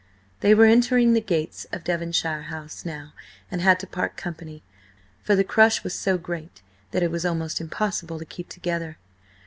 They were entering the gates of Devonshire House now, and had to part company, for the crush was so great that it was almost impossible to keep together.